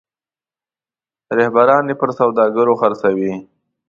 رهبران یې پر سوداګرو خرڅوي.